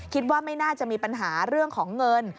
คิดว่าไม่น่าจะมีปัญหาเรื่องของเงิน